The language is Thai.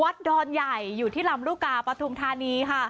วัดดอนใหญ่อยู่ที่ลำลุกาปัฑูนทานี